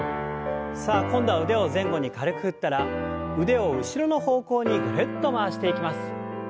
さあ今度は腕を前後に軽く振ったら腕を後ろの方向にぐるっと回していきます。